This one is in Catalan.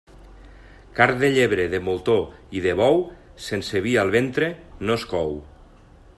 Carn de llebre, de moltó i de bou, sense vi al ventre no es cou.